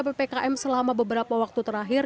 ppkm selama beberapa waktu terakhir